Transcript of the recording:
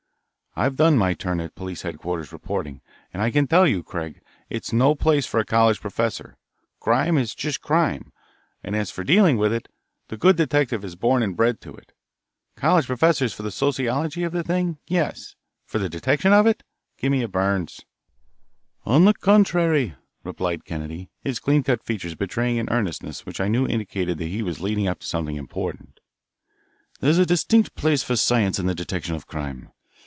"I've done my turn at police headquarters reporting, and I can tell you, Craig, it's no place for a college professor. Crime is just crime. And as for dealing with it, the good detective is born and bred to it. College professors for the sociology of the thing, yes; for the detection of it, give me a Byrnes." "On the contrary," replied Kennedy, his clean cut features betraying an earnestness which I knew indicated that he was leading up to something important, "there is a distinct place for science in the detection of crime.